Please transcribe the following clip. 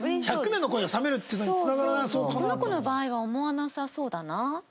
この子の場合は思わなさそうだな。